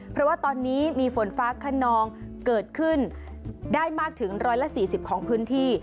เพราะว่าตอนนี้มีฝนฟ้าขนองเกิดขึ้นได้มากถึง๑๔๐ของพื้นที่